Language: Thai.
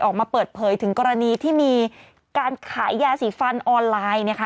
ออกมาเปิดเผยถึงกรณีที่มีการขายยาสีฟันออนไลน์นะคะ